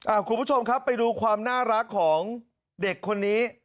คุณผู้ชมครับไปดูความน่ารักของเด็กคนนี้